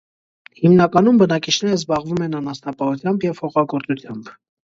Հիմնականում բնակիչները զբաղվում են անասնապահությամբ և հողագործությամբ։